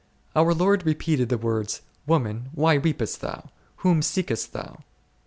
Our Lord repeated the words, Woman, why weepest thou ? whom seekest thou ?